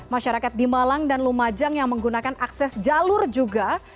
masyarakat di malang dan lumajang yang menggunakan akses jalur juga